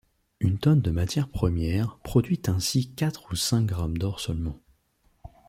Une tonne de matière première produit ainsi quatre ou cinq grammes d'or seulement.